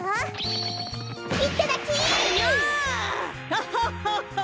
ハハハハッ！